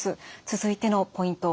続いてのポイント